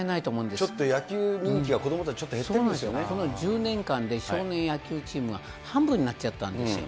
ちょっと野球人気が子どもたこの１０年間で、少年野球チームは半分になっちゃったんですよ。